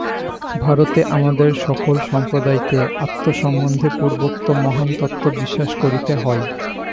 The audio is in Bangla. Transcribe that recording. ভারতে আমাদের সকল সম্প্রদায়কে আত্মা সম্বন্ধে পূর্বোক্ত মহান তত্ত্ব বিশ্বাস করিতে হয়।